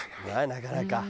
なかなか。